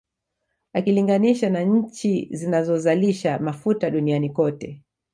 Ukilinganisha na nchi zinazozalisha Mafuta duniani kote